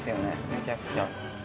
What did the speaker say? めちゃくちゃ。